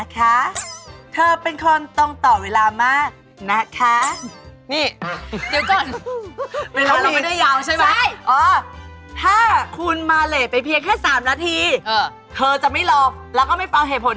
เราก็ให้เวลาตัวเองเหมือนกันนะเออ